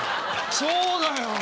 そうだよ！